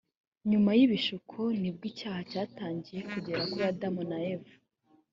nyuma yibishuko nibwo icyaha cyatangiye kugera kuri adamu na eva